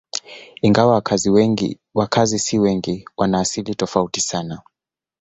Ingawa wakazi si wengi, wana asili tofauti sana.